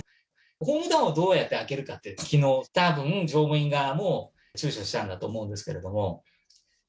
ホームドアをどうやって開けるかって、きのう、たぶん、乗務員側もちゅうちょしたんだと思うんですけれども。